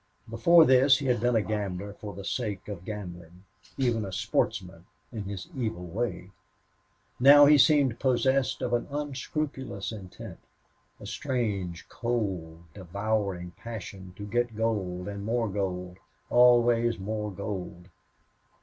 Before this he had been a gambler for the sake of gambling, even a sportsman in his evil way; now he seemed possessed of an unscrupulous intent, a strange, cold, devouring passion to get gold and more gold always more gold.